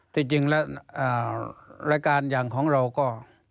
ที่จริงแล้วรายการอย่างของเราก็